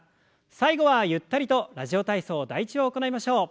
最後はゆったりと「ラジオ体操第１」を行いましょう。